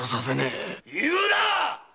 言うな‼